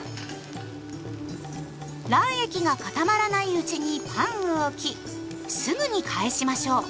卵液が固まらないうちにパンを置きすぐに返しましょう。